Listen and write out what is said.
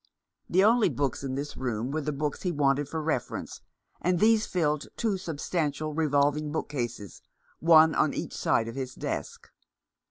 The only books in this room were the books he wanted for reference, and these filled two substantial revolving bookcases, one on each side of his desk.